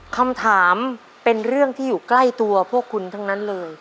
คำถามเป็นเรื่องที่อยู่ใกล้ตัวพวกคุณทั้งนั้นเลย